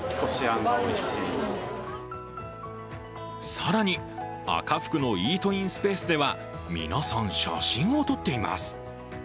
更に赤福のイートインスペースでは皆さん、写真を撮っています。